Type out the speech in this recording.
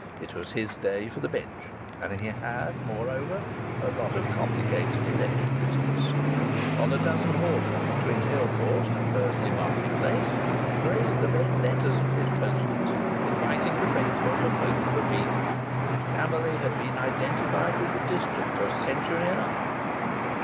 It was his day for the Bench, and he had, moreover, a lot of complicated election business. On a dozen hoardings between Hillport and Bursley market place blazed the red letters of his posters inviting the faithful to vote for Peel, whose family had been identified with the district for a century and a half.